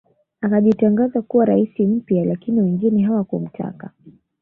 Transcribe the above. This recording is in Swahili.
Akajitangaza kuwa rais mpya lakini wengine hawakumtaka